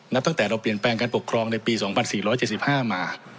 ตั้งแต่เราเปลี่ยนแปลงการปกครองในปี๒๔๗๕มา